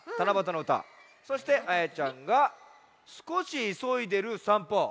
そしてあやちゃんが「少し急いでるさんぽ」。